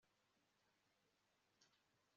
manzi yakoze uko ashoboye mugihe gito yari afite